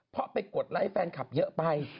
เพราะไปกดไลค์แฟนคลับเยอะไป